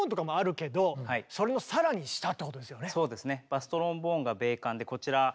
バストロンボーンがＢ管でこちら